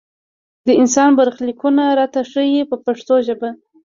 د انسان برخلیکونه راته ښيي په پښتو ژبه.